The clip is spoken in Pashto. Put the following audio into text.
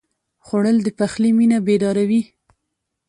خوړل د پخلي مېنه بیداروي